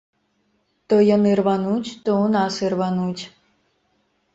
То яны рвануць, то ў нас ірвануць.